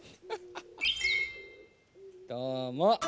どうも。